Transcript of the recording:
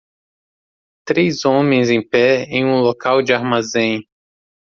três homens em pé em um local de armazém.